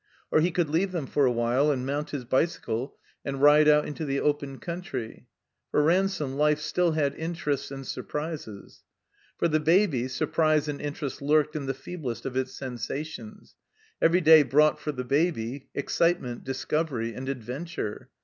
Or he could leave them for a while and mount Ids bicycle and ride out into the open country. For Ransome life still had interests and surprises. For the Baby surprise and interest lurked in the feeblest of its sensations ; every day brought, for the Baby, excitement, discovery, and adventure.